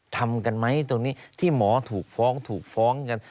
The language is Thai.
ทำกันไหมตรงนี้ที่หมอถูกฟ้องถูกฟ้องกัน